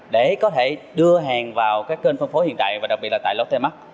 để có thể đưa hàng vào các kênh phân phối hiện tại và đặc biệt là tại lotte mart